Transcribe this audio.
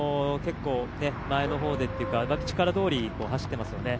前の方でというか、力どおり走っていますよね。